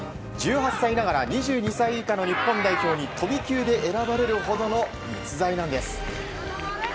１８歳ながら２２歳以下の日本代表に飛び級で選ばれるほどの逸材なんです。